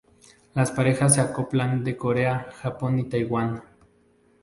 Las parejas se acoplan de Corea, Japón y Taiwán.